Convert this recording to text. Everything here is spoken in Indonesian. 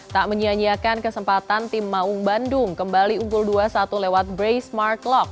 tak menyanyiakan kesempatan tim maung bandung kembali unggul dua satu lewat brace mark lok